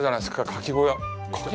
かき小屋？